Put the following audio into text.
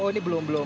oh ini belum belum